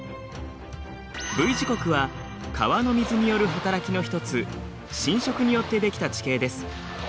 Ｖ字谷は川の水による働きの一つ「侵食」によって出来た地形です。